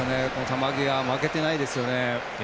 球際、負けていないですよね。